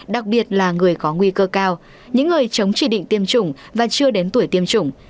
đặc biệt là người có nguy cơ cao những người chống chỉ định tiêm chủng và chưa đến tuổi tiêm chủng